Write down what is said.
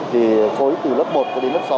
thì khối từ lớp một cho đến lớp sáu